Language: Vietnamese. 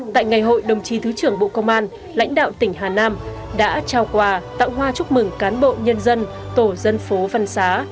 tại ngày hội đồng chí thứ trưởng bộ công an lãnh đạo tỉnh hà nam đã trao quà tặng hoa chúc mừng cán bộ nhân dân tổ dân phố văn xá